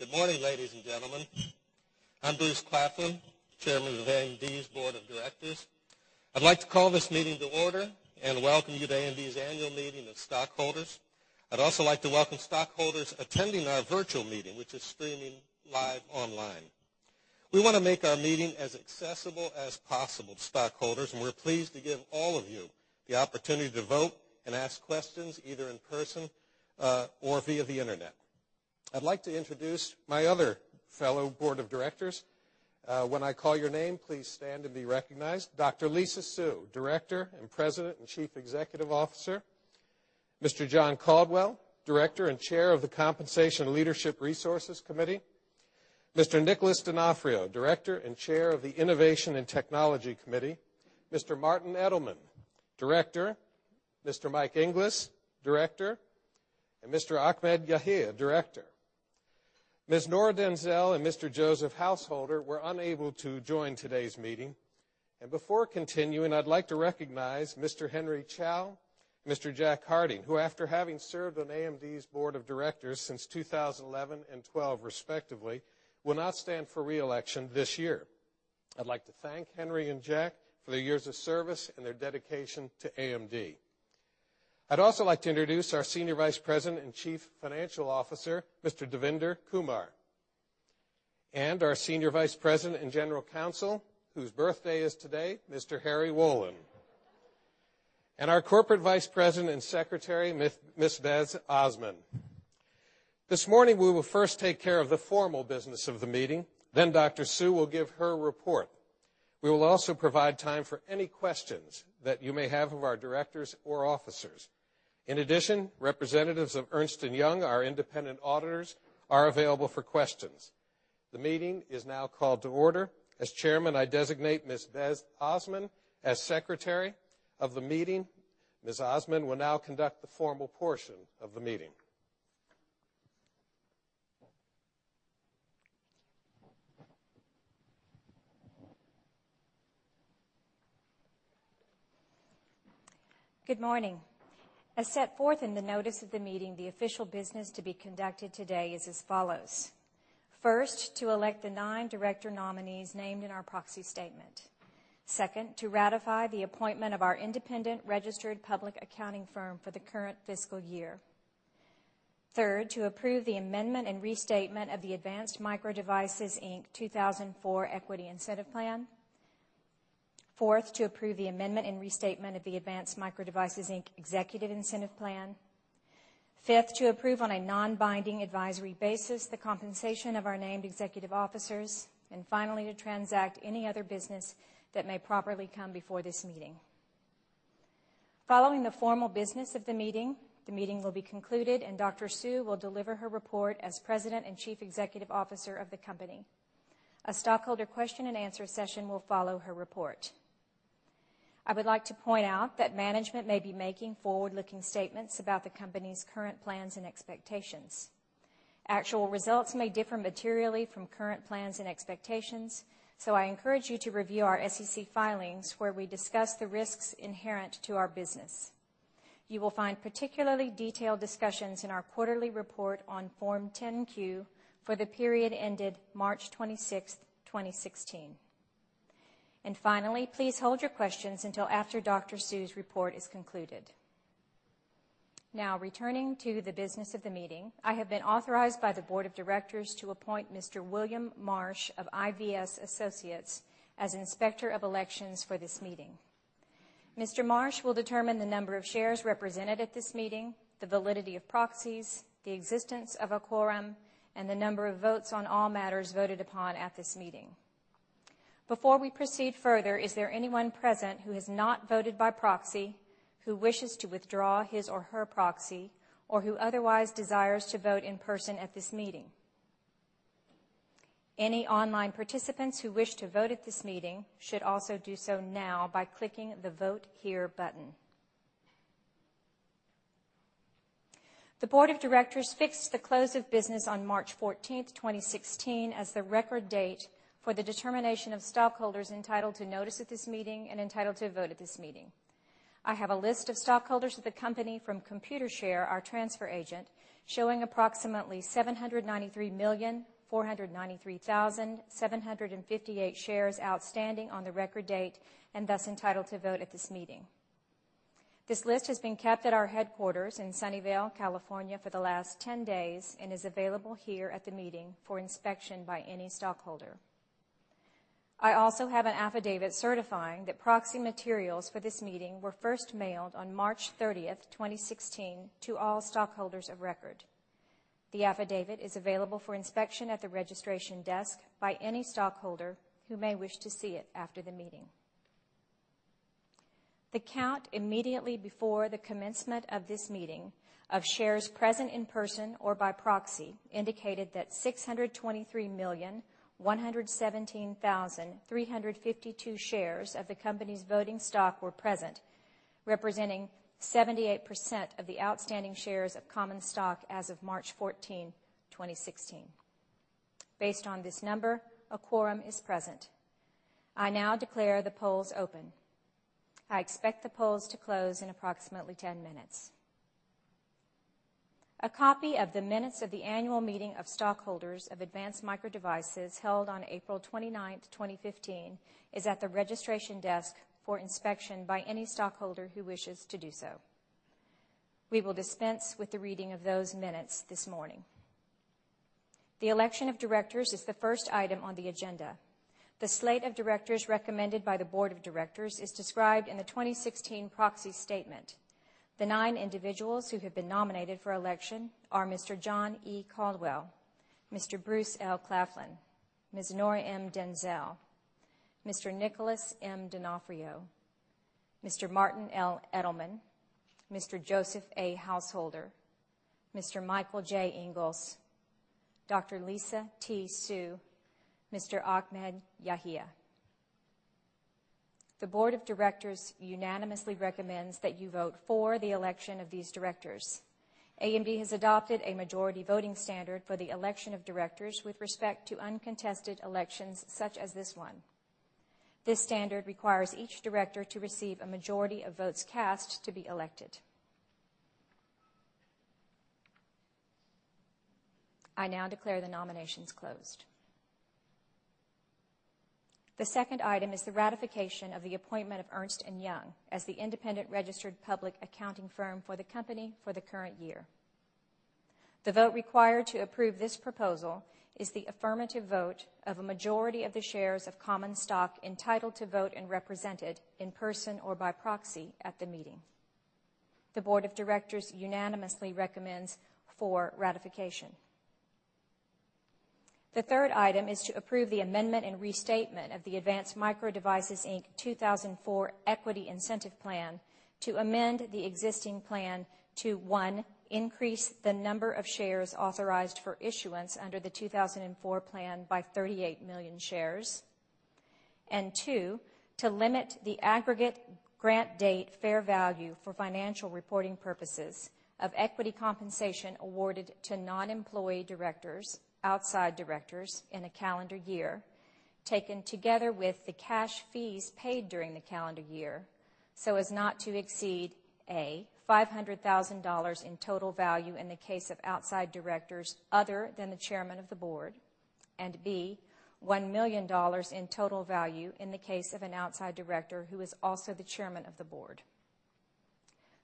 Good morning, ladies and gentlemen. I'm Bruce Claflin, Chairman of AMD's Board of Directors. I'd like to call this meeting to order and welcome you to AMD's annual meeting of stockholders. I'd also like to welcome stockholders attending our virtual meeting, which is streaming live online. We want to make our meeting as accessible as possible to stockholders, and we're pleased to give all of you the opportunity to vote and ask questions either in person or via the internet. I'd like to introduce my other fellow board of directors. When I call your name, please stand and be recognized. Dr. Lisa Su, Director and President and Chief Executive Officer. Mr. John Caldwell, Director and Chair of the Compensation and Leadership Resources Committee. Mr. Nicholas Donofrio, Director and Chair of the Innovation and Technology Committee. Mr. Martin Edelman, Director. Mr. Mike Inglis, Director. Mr. Ahmed Yahia, Director. Ms. Nora Denzel and Mr. Joseph Householder were unable to join today's meeting. Before continuing, I'd like to recognize Mr. Henry Chow, Mr. Jack Harding, who after having served on AMD's Board of Directors since 2011 and 2012 respectively, will not stand for re-election this year. I'd like to thank Henry and Jack for their years of service and their dedication to AMD. I'd also like to introduce our Senior Vice President and Chief Financial Officer, Mr. Devinder Kumar, and our Senior Vice President and General Counsel, whose birthday is today, Mr. Harry Wolin. Our Corporate Vice President and Secretary, Ms. Beth Ozmun. This morning, we will first take care of the formal business of the meeting, then Dr. Su will give her report. We will also provide time for any questions that you may have of our directors or officers. In addition, representatives of Ernst & Young, our independent auditors, are available for questions. The meeting is now called to order. As chairman, I designate Ms. Beth Ozmun as Secretary of the meeting. Ms. Osman will now conduct the formal portion of the meeting. Good morning. As set forth in the notice of the meeting, the official business to be conducted today is as follows. First, to elect the nine director nominees named in our proxy statement. Second, to ratify the appointment of our independent registered public accounting firm for the current fiscal year. Third, to approve the amendment and restatement of the Advanced Micro Devices, Inc. 2004 Equity Incentive Plan. Fourth, to approve the amendment and restatement of the Advanced Micro Devices, Inc. Executive Incentive Plan. Fifth, to approve on a non-binding advisory basis the compensation of our named executive officers. Finally, to transact any other business that may properly come before this meeting. Following the formal business of the meeting, the meeting will be concluded, and Dr. Su will deliver her report as President and Chief Executive Officer of the company. A stockholder question and answer session will follow her report. I would like to point out that management may be making forward-looking statements about the company's current plans and expectations. Actual results may differ materially from current plans and expectations, so I encourage you to review our SEC filings where we discuss the risks inherent to our business. You will find particularly detailed discussions in our quarterly report on Form 10-Q for the period ended March 26th, 2016. Finally, please hold your questions until after Dr. Su's report is concluded. Now, returning to the business of the meeting, I have been authorized by the board of directors to appoint Mr. William Marsh of IVS Associates as Inspector of Elections for this meeting. Mr. Marsh will determine the number of shares represented at this meeting, the validity of proxies, the existence of a quorum, and the number of votes on all matters voted upon at this meeting. Before we proceed further, is there anyone present who has not voted by proxy, who wishes to withdraw his or her proxy, or who otherwise desires to vote in person at this meeting? Any online participants who wish to vote at this meeting should also do so now by clicking the Vote Here button. The board of directors fixed the close of business on March 14th, 2016, as the record date for the determination of stockholders entitled to notice at this meeting and entitled to vote at this meeting. I have a list of stockholders of the company from Computershare, our transfer agent, showing approximately 793,493,758 shares outstanding on the record date, and thus entitled to vote at this meeting. This list has been kept at our headquarters in Sunnyvale, California for the last 10 days and is available here at the meeting for inspection by any stockholder. I also have an affidavit certifying that proxy materials for this meeting were first mailed on March 30th, 2016, to all stockholders of record. The affidavit is available for inspection at the registration desk by any stockholder who may wish to see it after the meeting. The count immediately before the commencement of this meeting of shares present in person or by proxy indicated that 623,117,352 shares of the company's voting stock were present, representing 78% of the outstanding shares of common stock as of March 14, 2016. Based on this number, a quorum is present. I now declare the polls open. I expect the polls to close in approximately 10 minutes. A copy of the minutes of the annual meeting of stockholders of Advanced Micro Devices held on April 29th, 2015, is at the registration desk for inspection by any stockholder who wishes to do so. We will dispense with the reading of those minutes this morning. The election of directors is the first item on the agenda. The slate of directors recommended by the board of directors is described in the 2016 proxy statement. The nine individuals who have been nominated for election are Mr. John E. Caldwell, Mr. Bruce L. Claflin, Ms. Nora M. Denzel, Mr. Nicholas M. Donofrio, Mr. Martin L. Edelman, Mr. Joseph A. Householder, Mr. Michael J. Inglis, Dr. Lisa T. Su, Mr. Ahmed Yahia. The board of directors unanimously recommends that you vote for the election of these directors. AMD has adopted a majority voting standard for the election of directors with respect to uncontested elections such as this one. This standard requires each director to receive a majority of votes cast to be elected. I now declare the nominations closed. The second item is the ratification of the appointment of Ernst & Young as the independent registered public accounting firm for the company for the current year. The vote required to approve this proposal is the affirmative vote of a majority of the shares of common stock entitled to vote and represented in person or by proxy at the meeting. The Board of Directors unanimously recommends for ratification. The third item is to approve the amendment and restatement of the Advanced Micro Devices, Inc. 2004 Equity Incentive Plan to amend the existing plan to, one, increase the number of shares authorized for issuance under the 2004 plan by 38 million shares. Two, to limit the aggregate grant date fair value for financial reporting purposes of equity compensation awarded to non-employee directors, outside directors in a calendar year, taken together with the cash fees paid during the calendar year, so as not to exceed, A, $500,000 in total value in the case of outside directors other than the Chairman of the Board, and B, $1 million in total value in the case of an outside director who is also the Chairman of the Board.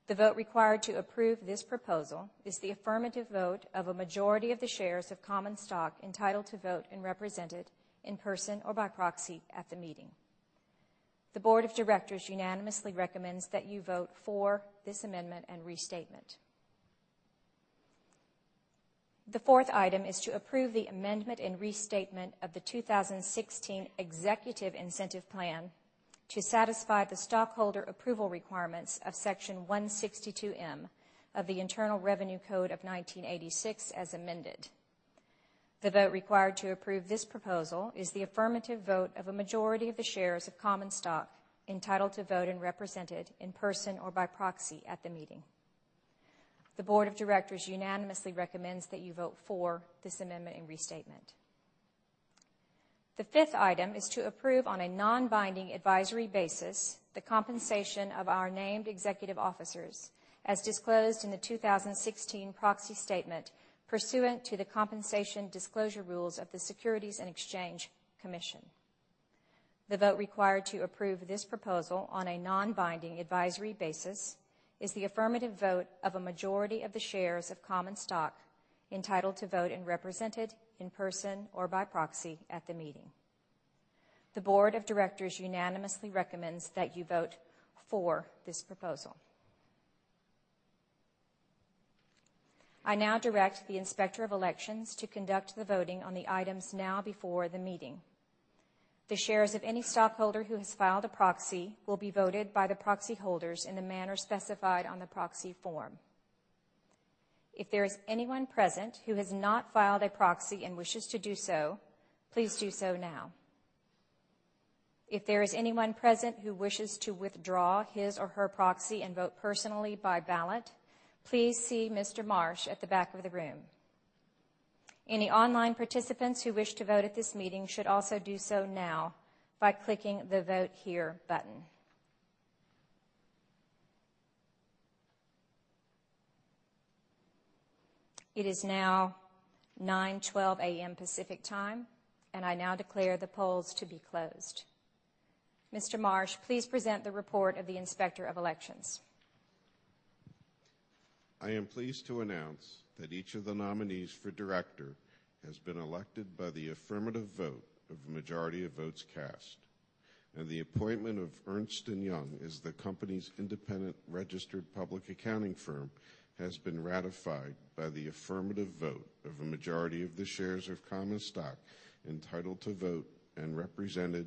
The vote required to approve this proposal is the affirmative vote of a majority of the shares of common stock entitled to vote and represented in person or by proxy at the meeting. The Board of Directors unanimously recommends that you vote for this amendment and restatement. The fourth item is to approve the amendment and restatement of the 2016 Executive Incentive Plan to satisfy the stockholder approval requirements of Section 162 of the Internal Revenue Code of 1986, as amended. The vote required to approve this proposal is the affirmative vote of a majority of the shares of common stock entitled to vote and represented in person or by proxy at the meeting. The Board of Directors unanimously recommends that you vote for this amendment and restatement. The fifth item is to approve on a non-binding advisory basis the compensation of our named executive officers as disclosed in the 2016 proxy statement pursuant to the compensation disclosure rules of the Securities and Exchange Commission. The vote required to approve this proposal on a non-binding advisory basis is the affirmative vote of a majority of the shares of common stock entitled to vote and represented in person or by proxy at the meeting. The Board of Directors unanimously recommends that you vote for this proposal. I now direct the Inspector of Elections to conduct the voting on the items now before the meeting. The shares of any stockholder who has filed a proxy will be voted by the proxy holders in the manner specified on the proxy form. If there is anyone present who has not filed a proxy and wishes to do so, please do so now. If there is anyone present who wishes to withdraw his or her proxy and vote personally by ballot, please see Mr. Marsh at the back of the room. Any online participants who wish to vote at this meeting should also do so now by clicking the Vote Here button. It is now 9:12 A.M. Pacific Time, I now declare the polls to be closed. Mr. Marsh, please present the report of the Inspector of Elections. I am pleased to announce that each of the nominees for director has been elected by the affirmative vote of a majority of votes cast, and the appointment of Ernst & Young as the company's independent registered public accounting firm has been ratified by the affirmative vote of a majority of the shares of common stock entitled to vote and represented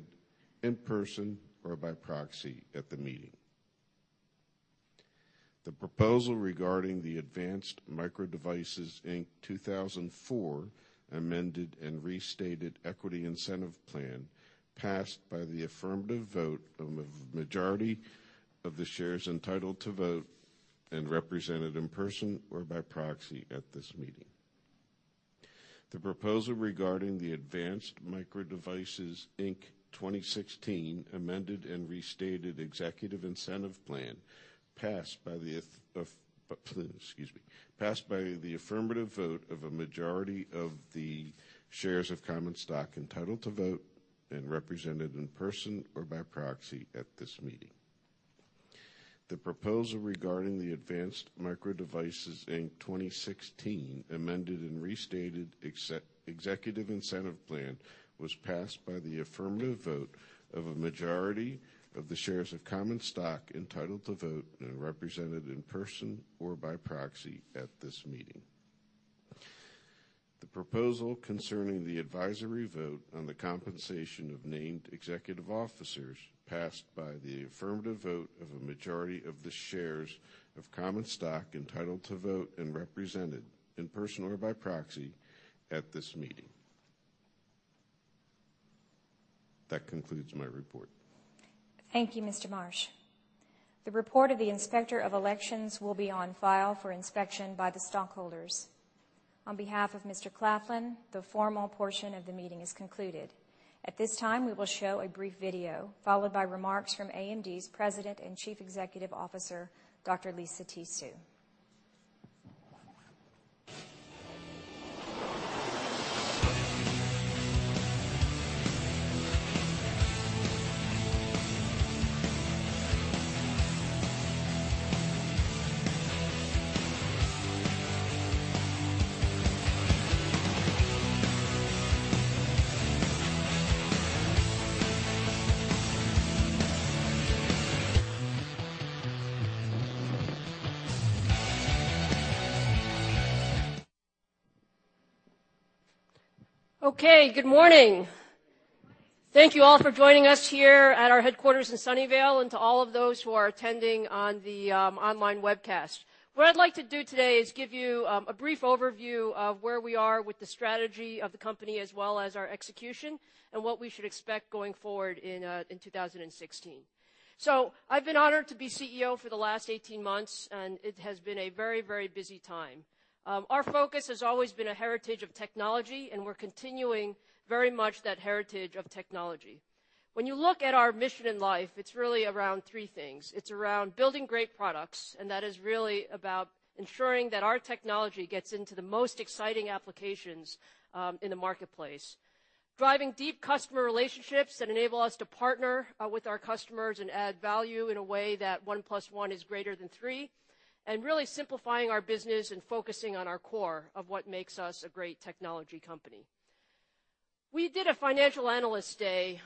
in person or by proxy at the meeting. The proposal regarding the Advanced Micro Devices, Inc. 2004 Amended and Restated Equity Incentive Plan passed by the affirmative vote of a majority of the shares entitled to vote represented in person or by proxy at this meeting. The proposal regarding the Advanced Micro Devices, Inc. 2016 amended and restated executive incentive plan passed by the affirmative vote of a majority of the shares of common stock entitled to vote and represented in person or by proxy at this meeting. The proposal regarding the Advanced Micro Devices, Inc. 2016 amended and restated executive incentive plan was passed by the affirmative vote of a majority of the shares of common stock entitled to vote and represented in person or by proxy at this meeting. The proposal concerning the advisory vote on the compensation of named executive officers passed by the affirmative vote of a majority of the shares of common stock entitled to vote and represented in person or by proxy at this meeting. That concludes my report. Thank you, Mr. Marsh. The report of the Inspector of Elections will be on file for inspection by the stockholders. On behalf of Mr. Claflin, the formal portion of the meeting is concluded. At this time, we will show a brief video, followed by remarks from AMD's President and Chief Executive Officer, Dr. Lisa Su. Okay, good morning. Thank you all for joining us here at our headquarters in Sunnyvale and to all of those who are attending on the online webcast. What I'd like to do today is give you a brief overview of where we are with the strategy of the company as well as our execution and what we should expect going forward in 2016. I've been honored to be CEO for the last 18 months, and it has been a very busy time. Our focus has always been a heritage of technology, and we're continuing very much that heritage of technology. When you look at our mission in life, it's really around three things. It's around building great products, and that is really about ensuring that our technology gets into the most exciting applications in the marketplace. Driving deep customer relationships that enable us to partner with our customers and add value in a way that one plus one is greater than three, and really simplifying our business and focusing on our core of what makes us a great technology company. We did a financial analyst day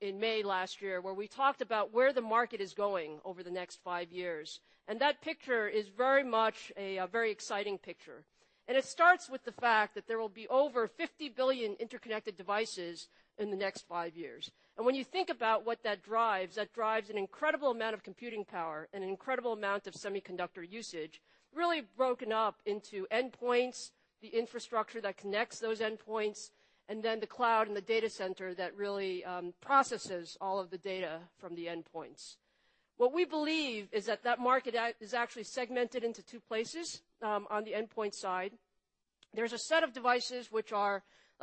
in May last year, where we talked about where the market is going over the next five years, and that picture is very much a very exciting picture. It starts with the fact that there will be over 50 billion interconnected devices in the next five years. When you think about what that drives, that drives an incredible amount of computing power and an incredible amount of semiconductor usage, really broken up into endpoints, the infrastructure that connects those endpoints, and then the cloud and the data center that really processes all of the data from the endpoints. What we believe is that that market is actually segmented into two places on the endpoint side. There's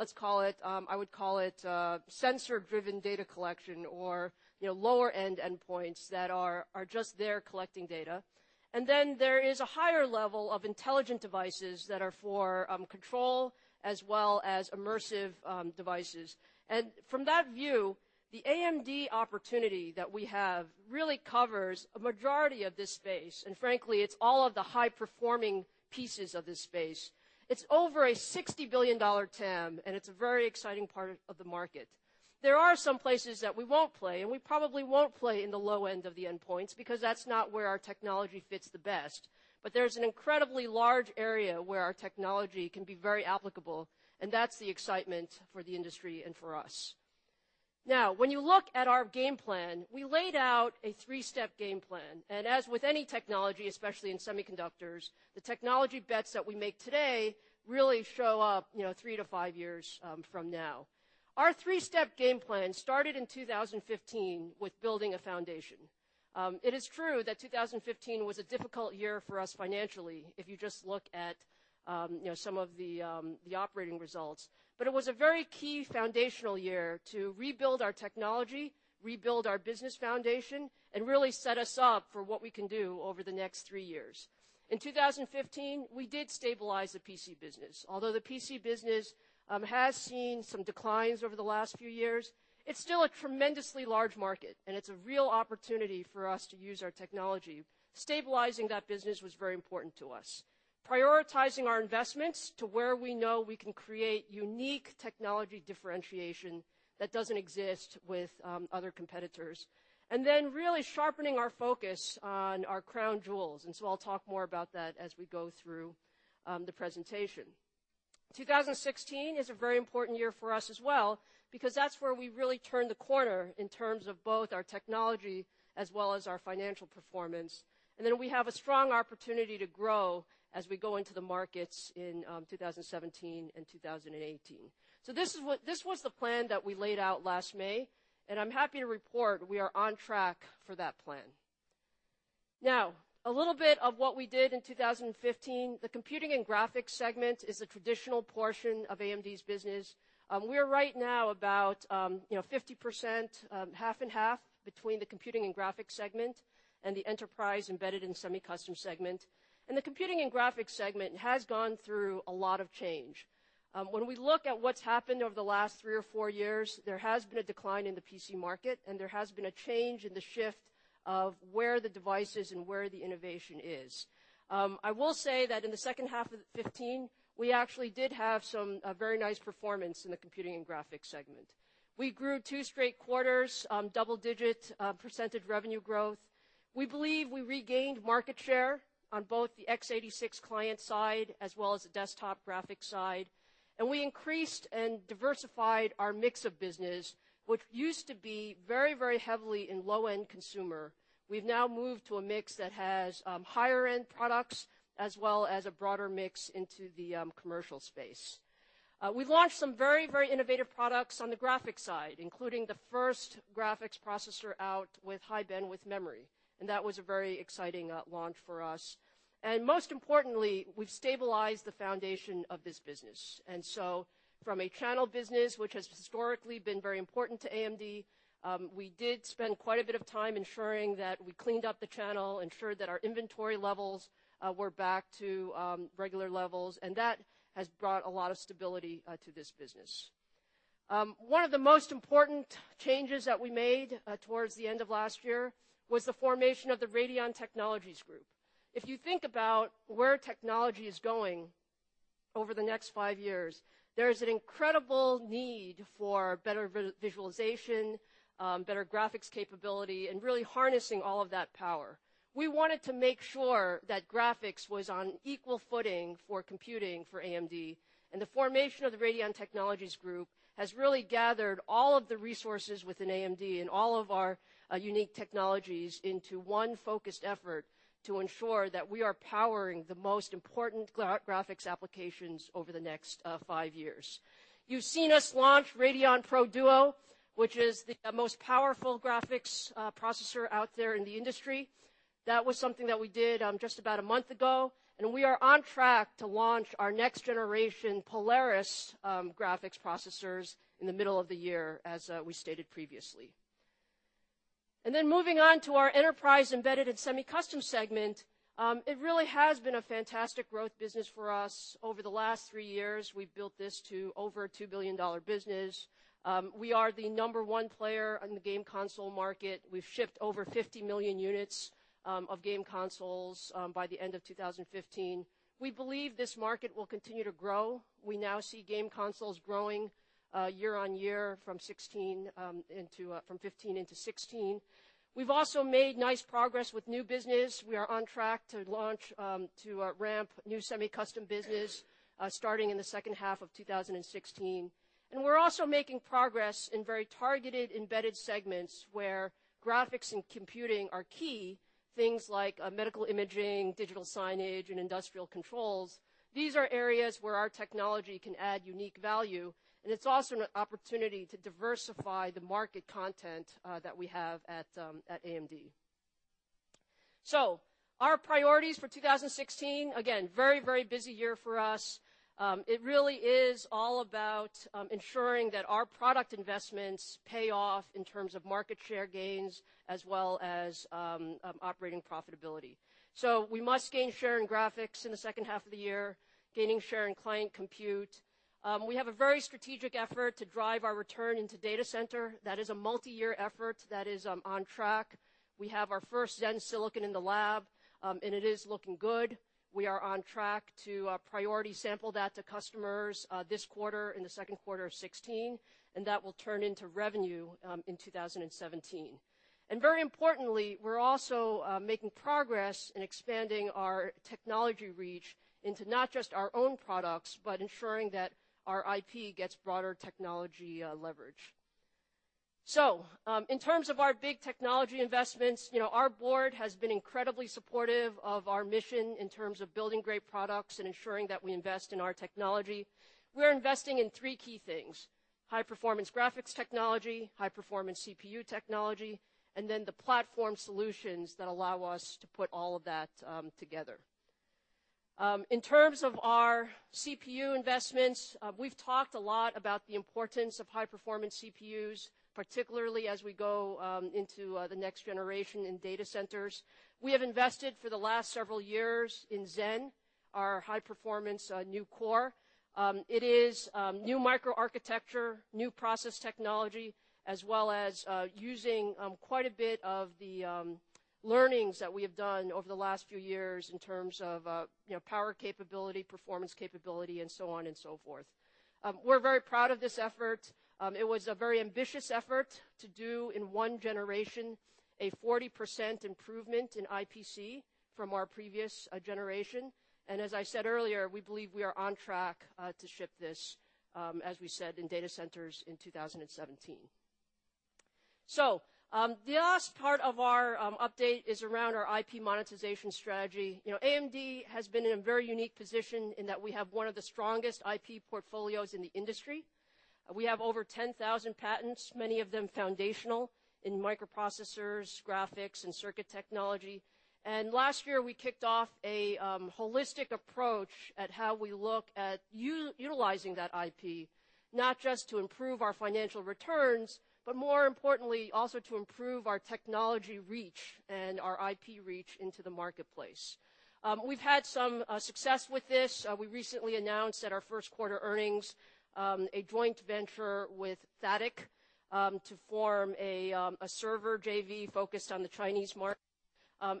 a set of devices which are, I would call it sensor-driven data collection or lower-end endpoints that are just there collecting data. Then there is a higher level of intelligent devices that are for control as well as immersive devices. From that view, the AMD opportunity that we have really covers a majority of this space, and frankly, it's all of the high-performing pieces of this space. It's over a $60 billion TAM, and it's a very exciting part of the market. There are some places that we won't play, and we probably won't play in the low end of the endpoints because that's not where our technology fits the best, but there's an incredibly large area where our technology can be very applicable, and that's the excitement for the industry and for us. Now, when you look at our game plan, we laid out a three-step game plan. As with any technology, especially in semiconductors, the technology bets that we make today really show up three to five years from now. Our three-step game plan started in 2015 with building a foundation. It is true that 2015 was a difficult year for us financially if you just look at some of the operating results. It was a very key foundational year to rebuild our technology, rebuild our business foundation, and really set us up for what we can do over the next three years. In 2015, we did stabilize the PC business. Although the PC business has seen some declines over the last few years, it's still a tremendously large market, and it's a real opportunity for us to use our technology. Stabilizing that business was very important to us. Prioritizing our investments to where we know we can create unique technology differentiation that doesn't exist with other competitors. Really sharpening our focus on our crown jewels. I'll talk more about that as we go through the presentation. 2016 is a very important year for us as well because that's where we really turned the corner in terms of both our technology as well as our financial performance. We have a strong opportunity to grow as we go into the markets in 2017 and 2018. This was the plan that we laid out last May, and I'm happy to report we are on track for that plan. Now, a little bit of what we did in 2015. The computing and graphics segment is a traditional portion of AMD's business. We are right now about 50%, half and half, between the computing and graphics segment and the enterprise embedded in semi-custom segment. The computing and graphics segment has gone through a lot of change. When we look at what's happened over the last three or four years, there has been a decline in the PC market, and there has been a change in the shift of where the device is and where the innovation is. I will say that in the second half of 2015, we actually did have some very nice performance in the computing and graphics segment. We grew two straight quarters, double-digit percentage revenue growth. We believe we regained market share on both the x86 client side as well as the desktop graphics side. We increased and diversified our mix of business, which used to be very heavily in low-end consumer. We've now moved to a mix that has higher-end products as well as a broader mix into the commercial space. We've launched some very innovative products on the graphics side, including the first graphics processor out with High Bandwidth Memory, and that was a very exciting launch for us. Most importantly, we've stabilized the foundation of this business. From a channel business, which has historically been very important to AMD, we did spend quite a bit of time ensuring that we cleaned up the channel, ensured that our inventory levels were back to regular levels, and that has brought a lot of stability to this business. One of the most important changes that we made towards the end of last year was the formation of the Radeon Technologies Group. If you think about where technology is going over the next five years, there is an incredible need for better visualization, better graphics capability, and really harnessing all of that power. We wanted to make sure that graphics was on equal footing for computing for AMD, the formation of the Radeon Technologies Group has really gathered all of the resources within AMD and all of our unique technologies into one focused effort to ensure that we are powering the most important graphics applications over the next five years. You've seen us launch Radeon Pro Duo, which is the most powerful graphics processor out there in the industry. That was something that we did just about a month ago, we are on track to launch our next generation Polaris graphics processors in the middle of the year, as we stated previously. Moving on to our enterprise embedded in semi-custom segment, it really has been a fantastic growth business for us. Over the last three years, we've built this to over a $2 billion business. We are the number 1 player in the game console market. We've shipped over 50 million units of game consoles by the end of 2015. We believe this market will continue to grow. We now see game consoles growing year-over-year from 2015 into 2016. We've also made nice progress with new business. We are on track to launch, to ramp new semi-custom business starting in the second half of 2016. We're also making progress in very targeted embedded segments where graphics and computing are key, things like medical imaging, digital signage, and industrial controls. These are areas where our technology can add unique value, it's also an opportunity to diversify the market content that we have at AMD. Our priorities for 2016, again, very busy year for us. It really is all about ensuring that our product investments pay off in terms of market share gains as well as operating profitability. We must gain share in graphics in the second half of the year, gaining share in client compute. We have a very strategic effort to drive our return into data center. That is a multi-year effort. That is on track. We have our first Zen silicon in the lab, it is looking good. We are on track to priority sample that to customers this quarter, in the second quarter of 2016, that will turn into revenue in 2017. Very importantly, we're also making progress in expanding our technology reach into not just our own products, but ensuring that our IP gets broader technology leverage. In terms of our big technology investments, our board has been incredibly supportive of our mission in terms of building great products and ensuring that we invest in our technology. We're investing in three key things: high-performance graphics technology, high-performance CPU technology, the platform solutions that allow us to put all of that together. In terms of our CPU investments, we've talked a lot about the importance of high-performance CPUs, particularly as we go into the next generation in data centers. We have invested for the last several years in Zen, our high-performance new core. It is new microarchitecture, new process technology, as well as using quite a bit of the learnings that we have done over the last few years in terms of power capability, performance capability, and so on and so forth. We're very proud of this effort. It was a very ambitious effort to do in one generation, a 40% improvement in IPC from our previous generation. As I said earlier, we believe we are on track to ship this, as we said, in data centers in 2017. The last part of our update is around our IP monetization strategy. AMD has been in a very unique position in that we have one of the strongest IP portfolios in the industry. We have over 10,000 patents, many of them foundational, in microprocessors, graphics, and circuit technology. Last year, we kicked off a holistic approach at how we look at utilizing that IP, not just to improve our financial returns, but more importantly, also to improve our technology reach and our IP reach into the marketplace. We've had some success with this. We recently announced at our first quarter earnings, a joint venture with THATIC to form a server JV focused on the Chinese market.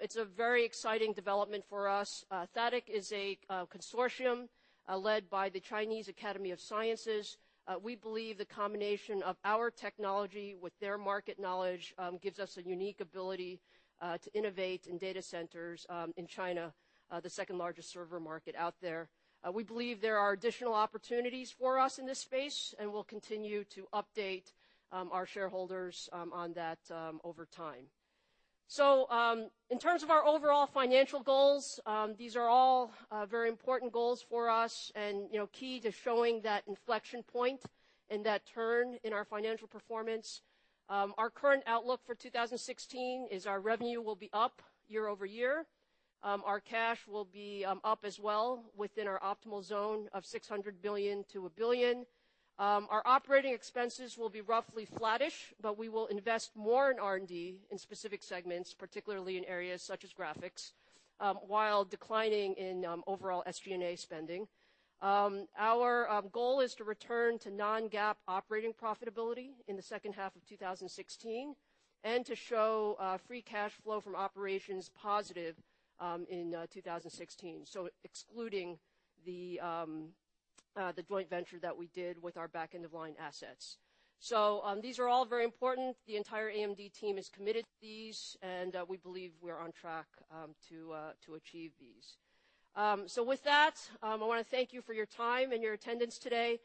It's a very exciting development for us. THATIC is a consortium led by the Chinese Academy of Sciences. We believe the combination of our technology with their market knowledge gives us a unique ability to innovate in data centers in China, the second-largest server market out there. We believe there are additional opportunities for us in this space, and we'll continue to update our shareholders on that over time. In terms of our overall financial goals, these are all very important goals for us and key to showing that inflection point and that turn in our financial performance. Our current outlook for 2016 is our revenue will be up year-over-year. Our cash will be up as well, within our optimal zone of $600 million to $1 billion. Our operating expenses will be roughly flattish, but we will invest more in R&D in specific segments, particularly in areas such as graphics, while declining in overall SG&A spending. Our goal is to return to non-GAAP operating profitability in the second half of 2016 and to show free cash flow from operations positive in 2016. Excluding the joint venture that we did with our back end of line assets. These are all very important. The entire AMD team is committed to these, and we believe we're on track to achieve these. With that, I want to thank you for your time and your attendance today.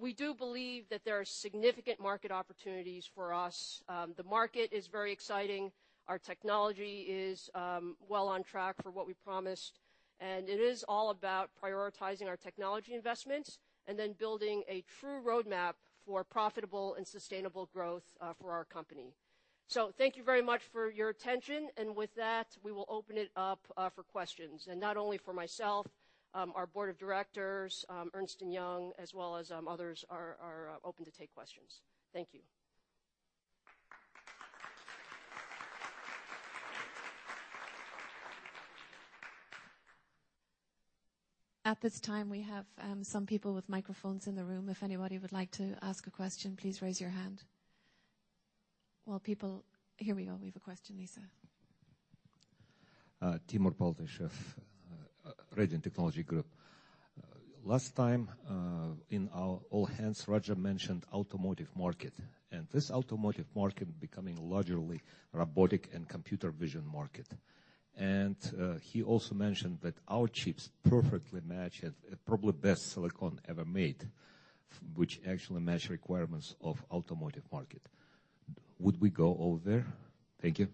We do believe that there are significant market opportunities for us. The market is very exciting. Our technology is well on track for what we promised, it is all about prioritizing our technology investments, then building a true roadmap for profitable and sustainable growth for our company. Thank you very much for your attention. With that, we will open it up for questions. Not only for myself, our board of directors, Ernst & Young, as well as others, are open to take questions. Thank you. At this time, we have some people with microphones in the room. If anybody would like to ask a question, please raise your hand. Well, Here we go. We have a question. Lisa. Timour Paltashev, Radeon Technologies Group. Last time, in our All Hands, Raja mentioned automotive market. This automotive market becoming largely robotic and computer vision market. He also mentioned that our chips perfectly match and probably best silicon ever made, which actually match requirements of automotive market. Would we go over there? Thank you.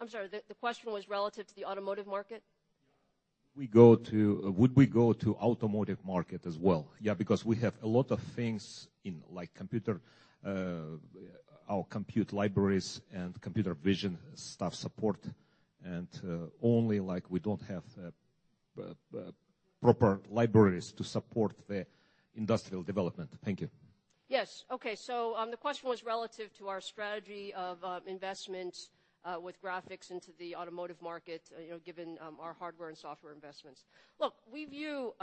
I'm sorry. The question was relative to the automotive market? Would we go to automotive market as well? Yeah, because we have a lot of things in, like, computer, our compute libraries and computer vision stuff support, and only we don't have proper libraries to support the industrial development. Thank you. Yes. Okay. The question was relative to our strategy of investment with graphics into the automotive market, given our hardware and software investments. Look, we view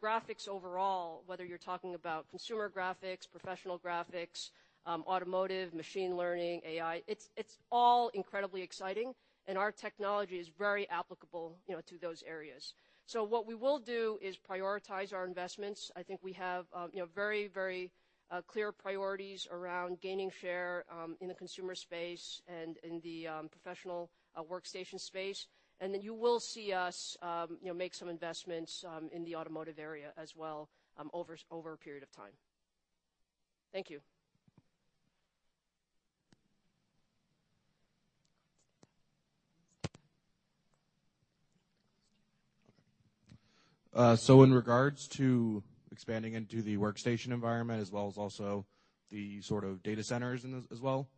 graphics overall, whether you're talking about consumer graphics, professional graphics, automotive, machine learning, AI, it's all incredibly exciting and our technology is very applicable to those areas. What we will do is prioritize our investments. I think we have very clear priorities around gaining share in the consumer space and in the professional workstation space. Then you will see us make some investments in the automotive area as well over a period of time. Thank you. In regards to expanding into the workstation environment as well as also the sort of data centers as well,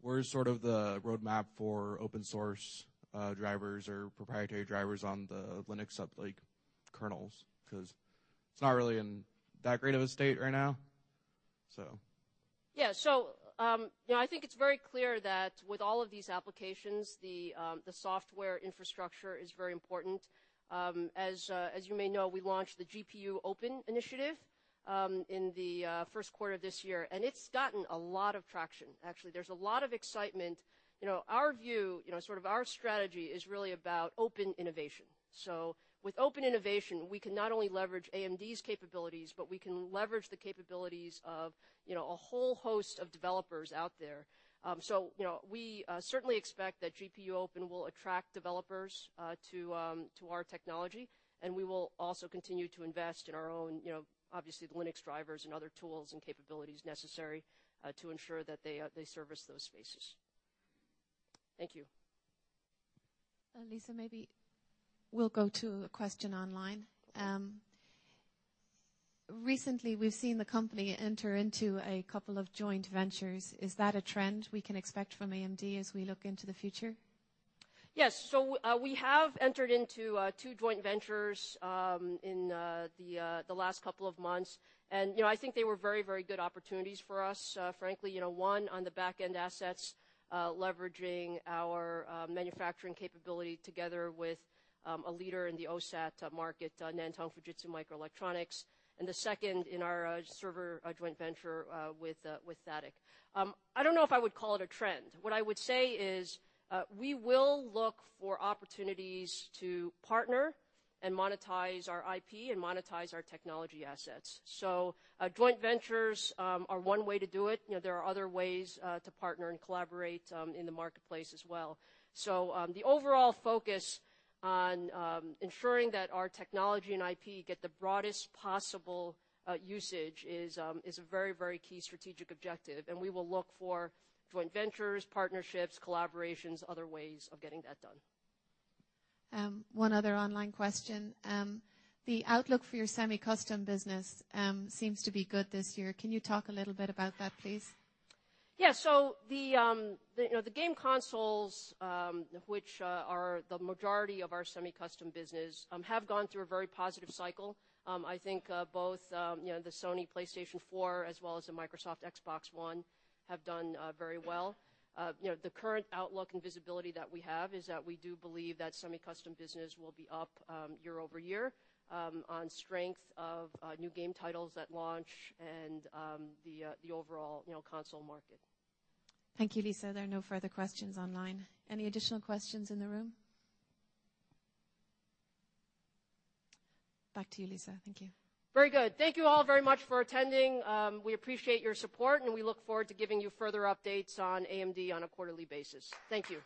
where's sort of the roadmap for open source drivers or proprietary drivers on the Linux kernels? Because it's not really in that great of a state right now. Yeah. I think it's very clear that with all of these applications, the software infrastructure is very important. As you may know, we launched the GPUOpen initiative in the first quarter of this year, and it's gotten a lot of traction, actually. There's a lot of excitement. Our view, sort of our strategy is really about open innovation. With open innovation, we can not only leverage AMD's capabilities, but we can leverage the capabilities of a whole host of developers out there. We certainly expect that GPUOpen will attract developers to our technology, and we will also continue to invest in our own, obviously, the Linux drivers and other tools and capabilities necessary to ensure that they service those spaces. Thank you. Lisa, maybe we'll go to a question online. Recently, we've seen the company enter into a couple of joint ventures. Is that a trend we can expect from AMD as we look into the future? We have entered into two joint ventures in the last couple of months. I think they were very good opportunities for us. Frankly, one on the backend assets, leveraging our manufacturing capability together with a leader in the OSAT market, Nantong Fujitsu Microelectronics, and the second in our server joint venture with THATIC. I don't know if I would call it a trend. What I would say is, we will look for opportunities to partner and monetize our IP and monetize our technology assets. Joint ventures are one way to do it. There are other ways to partner and collaborate in the marketplace as well. The overall focus on ensuring that our technology and IP get the broadest possible usage is a very key strategic objective, and we will look for joint ventures, partnerships, collaborations, other ways of getting that done. One other online question. The outlook for your semi-custom business seems to be good this year. Can you talk a little bit about that, please? The game consoles, which are the majority of our semi-custom business, have gone through a very positive cycle. I think both the Sony PlayStation 4 as well as the Microsoft Xbox One have done very well. The current outlook and visibility that we have is that we do believe that semi-custom business will be up year-over-year on strength of new game titles at launch and the overall console market. Thank you, Lisa. There are no further questions online. Any additional questions in the room? Back to you, Lisa. Thank you. Very good. Thank you all very much for attending. We appreciate your support, and we look forward to giving you further updates on AMD on a quarterly basis. Thank you.